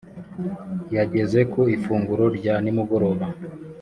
yageze ku ifunguro rya nimugoroba